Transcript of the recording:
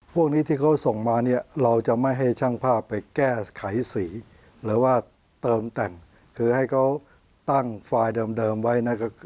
พวกนี้ที่เขาส่งมาเนี่ยเราจะไม่ให้ช่างภาพไปแก้ไขสีหรือว่าเติมแต่งคือให้เขาตั้งไฟล์เดิมไว้